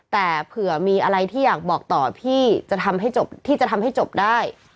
แต่เผื่อมีอะไรที่อยากบอกต่อพี่ที่จะทำให้จบได้